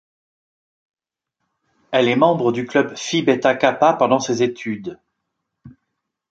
Elle est membre du club Phi Beta Kappa pendant ses études.